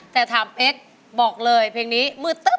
แต่ถามเอ็กซ์บอกเลยเพลงนี้มืดตึ๊บ